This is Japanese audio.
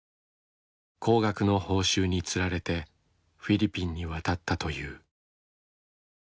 高額の報酬に釣られてフィリピンに渡ったという。